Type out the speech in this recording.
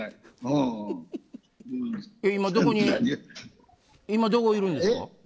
今どこに今どこにいるんですか。